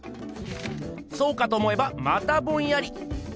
そうかと思えばまたボンヤリ。